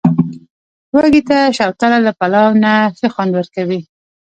وږي ته، شوتله له پلاو نه ښه خوند ورکوي.